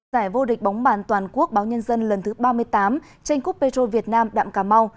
giải vô địch bóng bàn toàn quốc báo nhân dân lần thứ ba mươi tám tranh cúp petro việt nam đạm cà mau